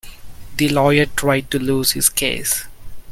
The lawyer tried to lose his case.